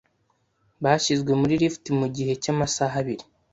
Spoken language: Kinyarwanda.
Bashyizwe muri lift mugihe cyamasaha abiri.